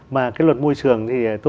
mà cái luật môi trường thì